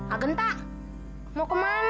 agenta mau kemana